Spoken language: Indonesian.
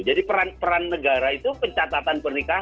jadi peran peran negara itu pencatatan pernikahan